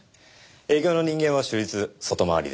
営業の人間は終日外回りです。